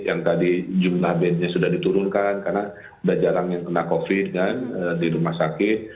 yang tadi jumlah bednya sudah diturunkan karena sudah jarang yang kena covid kan di rumah sakit